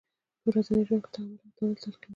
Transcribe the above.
په ورځني ژوند کې تحمل او تامل تلقینوي.